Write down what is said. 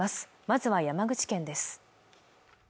まずは山口県です